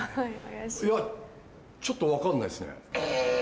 いやちょっと分かんないですね。